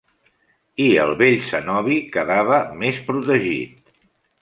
I el vell cenobi quedava més protegit.